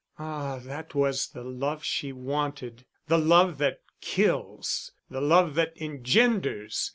Ah, that was the love she wanted the love that kills and the love that engenders.